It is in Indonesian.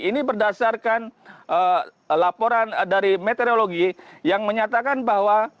ini berdasarkan laporan dari meteorologi yang menyatakan bahwa